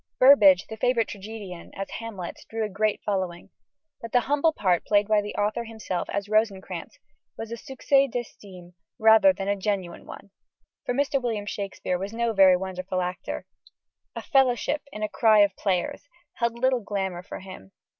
Burbage, the favourite tragedian, as Hamlet, drew a great following: but the humble part played by the author himself as Rosencrantz was a succès d'estime rather than a genuine one for Mr. William Shakespeare was no very wonderful actor. "A fellowship in a cry of players" held little glamour for him.